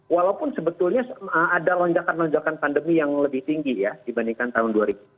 walaupun sebetulnya ada lonjakan lonjakan pandemi yang lebih tinggi ya dibandingkan tahun dua ribu dua puluh